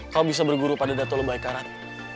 kau bisa berguru pada datu lebay karat